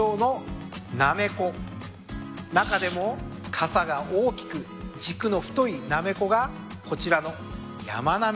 中でもかさが大きく軸の太いなめこがこちらの。